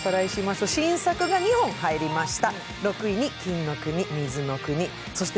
新作が２本入りました。